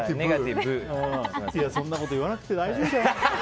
そんなこと言わなくて大丈夫だよ。